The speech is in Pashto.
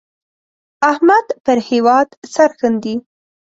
احمد پر هېواد سرښندي.